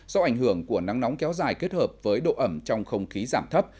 do ảnh hưởng của nắng nóng kéo dài kết hợp với độ ẩm trong không khí giảm thấp